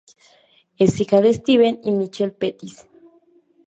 Es hija de Steven y Michelle Pettis.